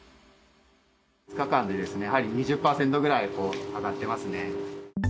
２日間でやはり２０％ぐらい上がってますね。